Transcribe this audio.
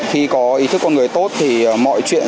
khi có ý thức con người tốt thì mọi chuyện